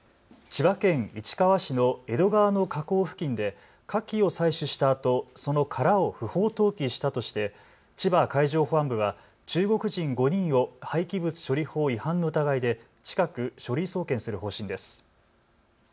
千葉県市川市の江戸川の河口付近でかきを採取したあとその殻を不法投棄したとして千葉海上保安部は中国人５人を廃棄物処理法違反の疑いで近く書類送検する方針です。